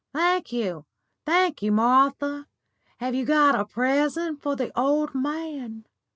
"Thank you, thank you, Martha. Have you got a present for the old man?"